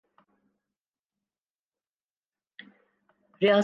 ریاست اسے نظر انداز کرے تولاقانونیت جنم لیتی ہے۔